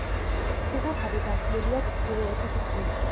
შესართავი გაშლილია ჩრდილოეთის ზღვისკენ.